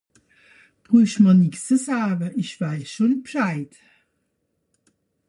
Brüch mer nix ze saje, isch weiss scho B'scheid!